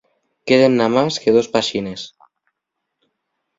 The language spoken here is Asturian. Queden namás que dos páxines.